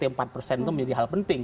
itu menjadi hal penting